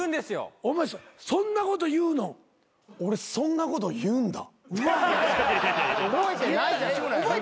お前そんなこと言うんだ。